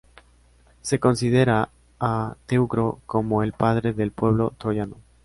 Se considera a Teucro como el padre del pueblo troyano.